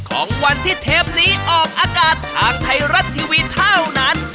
ของวันที่เทปนี้ออกอากาศทางไทยรัฐทีวีเท่านั้น